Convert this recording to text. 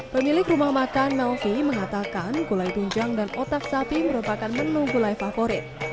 pemilik rumah makan melvi mengatakan gulai tunjang dan otak sapi merupakan menu gulai favorit